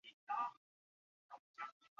让同学实地接触群众募资